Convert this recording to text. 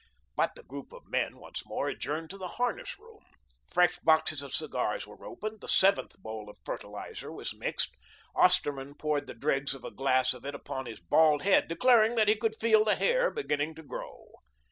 But the group of men once more adjourned to the harness room. Fresh boxes of cigars were opened; the seventh bowl of fertiliser was mixed. Osterman poured the dregs of a glass of it upon his bald head, declaring that he could feel the hair beginning to grow.